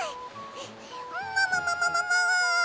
もももももも！